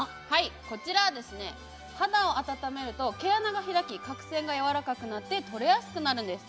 こちらは肌を温めると毛穴が開き角栓がやわらかくなって取れやすくなるんです。